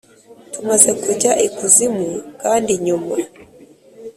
tumaze kujya ikuzimu kandi inyuma